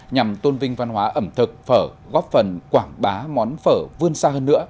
nhằm tôn vinh văn hóa ẩm thực phở góp phần quảng bá món phở vươn xa hơn nữa